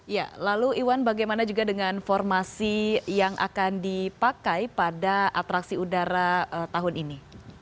ya lalu iwan bagaimana juga dengan formasi yang akan dipakai pada atraksi udara tahun ini